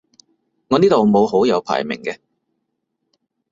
我呢度冇好友排名嘅